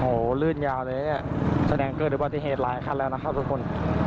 โหลื่นยาวเลยเนี่ยแสดงเกิดหรือเปล่าที่เหตุร้ายขั้นแล้วนะครับทุกคน